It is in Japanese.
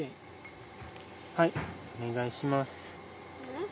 はいお願いします。